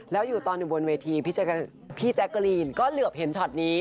แล้วอยู่ตอนอยู่บนเวทีพี่แจ๊กกะลีนก็เหลือบเห็นช็อตนี้